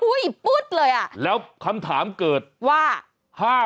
ปุ๊ดเลยอ่ะแล้วคำถามเกิดว่า